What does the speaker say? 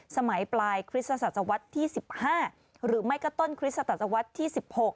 สมัยปลายคริสตสวที่๑๕หรือไมกระต้นคริสตสวที่๑๖